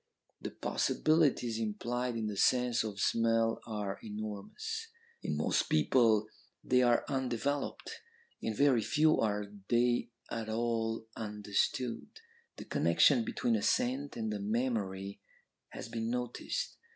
The possibilities implied in the sense of smell are enormous. In most people they are undeveloped; in very few are they at all understood. The connection between a scent and a memory has been noticed.